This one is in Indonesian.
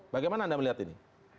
bagaimana anda melihat ini